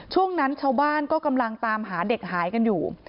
ช่วงนั้นชาวบ้านก็กำลังตามหาเด็กหายกันอยู่